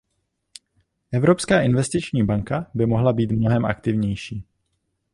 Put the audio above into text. Evropská investiční banka by mohla být mnohem aktivnější.